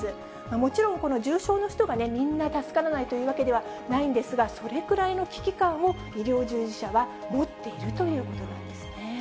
もちろん、この重症の人がみんな助からないというわけではないんですが、それくらいの危機感を医療従事者は持っているということなんですね。